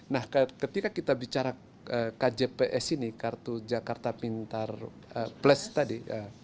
nah ketika kita bicara kjps ini kartu jakarta pintar plus tadi